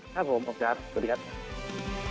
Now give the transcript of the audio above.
ครับผมขอบคุณครับสวัสดีครับ